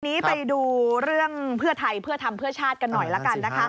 ทีนี้ไปดูเรื่องเพื่อไทยเพื่อทำเพื่อชาติกันหน่อยละกันนะคะ